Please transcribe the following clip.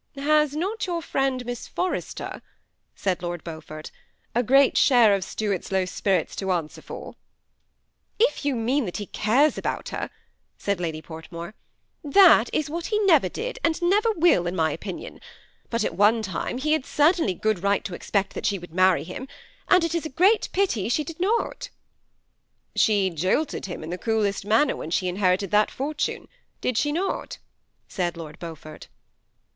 " Has not your friend, Miss Forrester," said Lord Beaufort, "a great share of Stuarfs low spirits to answer for?" "If you mean that he cares about her," said Lady Portmore, " that is what he never did and never will, in my opinion ; but at one time he had certainly a good right to expect that she would marry him, and it is a great pity she did not." 1 THE SEMI ATTACHED COUPLE. 171 " She jilted him in the coolest manner when she inherited that fortune, did not she ?" said Lord Beau fort."